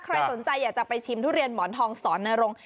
ใครสนใจอยากจะไปชิมทุเรียนหมอนทองสอนนรงค์